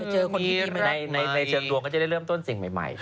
เจอคนที่ในเชิงดวงก็จะได้เริ่มต้นสิ่งใหม่